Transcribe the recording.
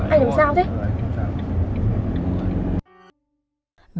anh làm sao thế